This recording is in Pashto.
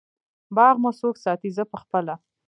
باغ مو څوک ساتی؟ زه پخپله